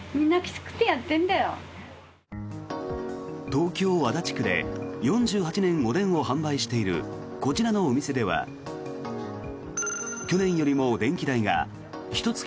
東京・足立区で４８年おでんを販売しているこちらのお店では去年よりも電気代がひと月